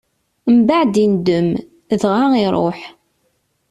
Mbeɛd indem, dɣa iṛuḥ.